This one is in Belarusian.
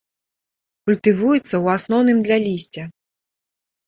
Культывуецца ў асноўным для лісця.